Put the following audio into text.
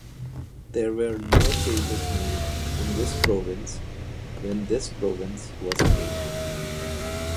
There were no changes made in this province when this province was made.